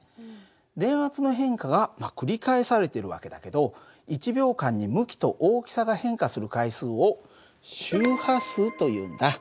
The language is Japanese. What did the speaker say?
電圧の変化が繰り返されている訳だけど１秒間に向きと大きさが変化する回数を周波数というんだ。